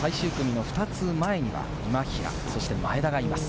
最終組の２つ前には今平、そして、前田がいます。